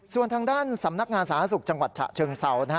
ส่วนทางด้านสำนักงานสาธารณสุขจังหวัดฉะเชิงเซา